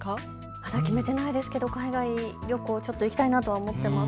まだ決めていないですけど海外旅行ちょっと行きたいなと思っています。